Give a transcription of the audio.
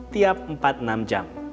tiap empat enam jam